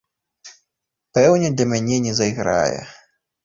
Пэўне для мяне не зайграе.